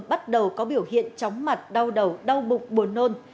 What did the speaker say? bắt đầu có biểu hiện chóng mặt đau đầu đau bụng buồn nôn